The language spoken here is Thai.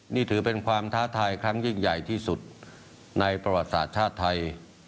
นี่ถือเป็นความท้าทายครั้งยิ่งใหญ่ที่สุดในประวัติศาสตร์ชาติไทย